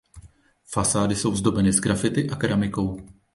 Fasády jsou zdobeny sgrafity a keramikou.